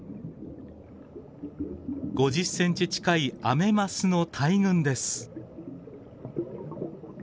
５０センチ近いアメマスの大群です。